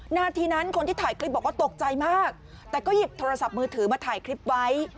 นาทีนั้นคนที่ถ่ายคลิปบอกว่าตกใจมากแต่ก็หยิบโทรศัพท์มือถือมาถ่ายคลิปไว้